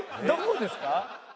どこですか？